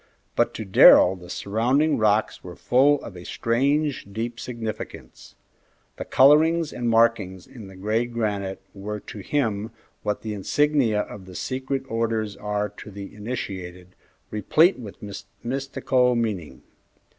But to Darrell the surrounding rocks were full of a strange, deep significance. The colorings and markings in the gray granite were to him what the insignia of the secret orders are to the initiated, replete with mystical meaning.